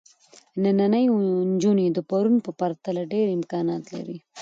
نننۍ نجونې د پرون په پرتله ډېر امکانات لري.